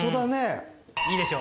いいでしょ